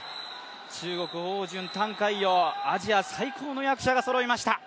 中国、汪順、覃海洋、アジア最高の役者がそろいました。